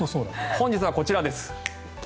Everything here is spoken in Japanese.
本日はこちらです。